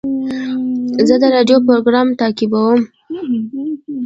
زه د راډیو پروګرام تعقیبوم.